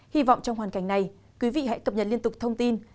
hy vọng trong hoàn cảnh này quý vị hãy cập nhật liên tục thông tin